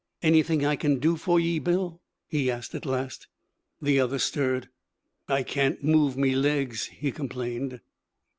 'Anything I can do for ye, Bill?' he asked at last. The other stirred. 'I can't move me legs,' he complained.